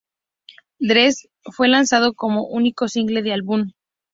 Red Dress fue lanzado como único single del álbum.